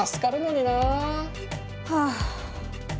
はあ。